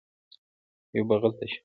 یوه بغل ته شه